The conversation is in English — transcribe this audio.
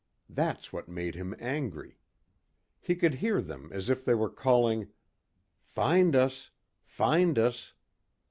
That's what made him angry. He could hear them as if they were calling, "Find us ... find us...."